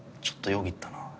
ちょっとよぎったな。